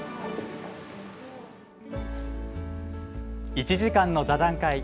１時間の座談会。